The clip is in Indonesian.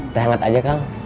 teh hangat aja kang